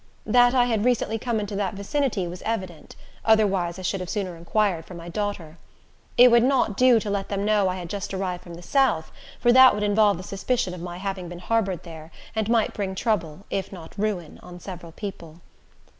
That I had recently come into that vicinity was evident; otherwise I should have sooner inquired for my daughter. It would not do to let them know I had just arrived from the south, for that would involve the suspicion of my having been harbored there, and might bring trouble, if not ruin, on several people.